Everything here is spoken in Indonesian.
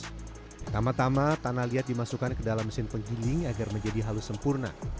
pertama tama tanah liat dimasukkan ke dalam mesin penggiling agar menjadi halus sempurna